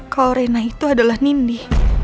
kalo rena itu adalah nindi